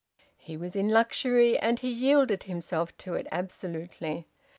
He was in luxury, and he yielded himself to it absolutely.